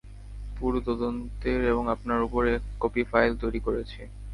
পুরো তদন্তের এবং আপনার উপর এক কপি ফাইল তৈরি করেছি।